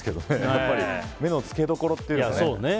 やっぱり目のつけどころというのがね。